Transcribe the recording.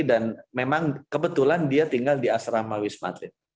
dan memang kebetulan dia tinggal di asrama wismatlin